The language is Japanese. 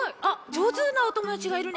じょうずなおともだちがいるね。